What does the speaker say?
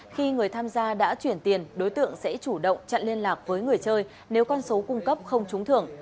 khi người tham gia đã chuyển tiền đối tượng sẽ chủ động chặn liên lạc với người chơi nếu con số cung cấp không trúng thưởng